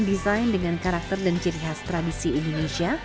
bisa menggunakan design dengan karakter dan ciri khas tradisi indonesia